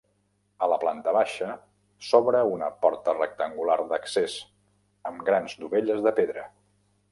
A la planta baixa s'obre una porta rectangular d'accés, amb grans dovelles de pedra.